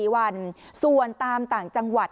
๔วันส่วนตามต่างจังหวัด